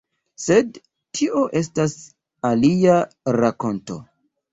Sed tio estas alia rakonto.